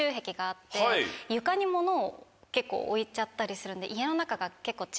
床に物を結構置いちゃったりするんで。